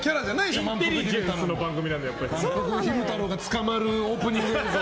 昼太郎が捕まるオープニングで。